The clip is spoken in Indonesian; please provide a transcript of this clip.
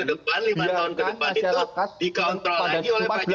jangan berpikir bahwa sepuluh tahun ke depan lima tahun ke depan itu dikontrol lagi oleh pak joko